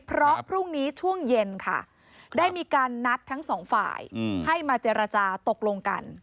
เพราะพรุ่งนี้ช่วงเย็นค่ะได้มีการนัดทั้งสองฝ่ายให้มาเจรจาตกลงกัน